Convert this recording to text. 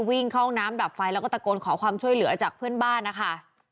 วิ่งเข้าห้องน้ำดับไฟแล้วก็ตะโกนขอความช่วยเหลือจากเพื่อนบ้านนะคะ